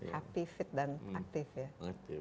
happy fit dan aktif ya